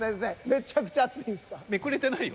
めちゃくちゃ熱いんですか？